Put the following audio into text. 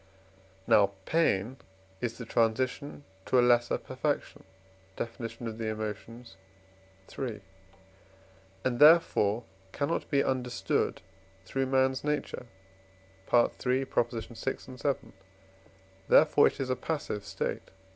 Now pain is the transition to a lesser perfection (Def. of the Emotions, iii.) and therefore cannot be understood through man's nature (III. vi., and vii.); therefore it is a passive state (III.